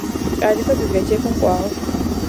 Кӏалэхэр библиотекэм кӏуагъэх.